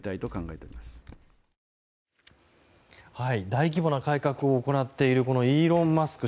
大規模な改革を行っているイーロン・マスク